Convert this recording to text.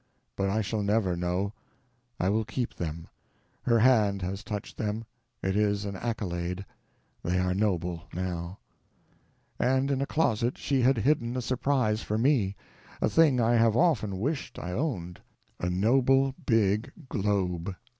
But I shall never know. I will keep them. Her hand has touched them—it is an accolade—they are noble, now. And in a closet she had hidden a surprise for me—a thing I have often wished I owned: a noble big globe.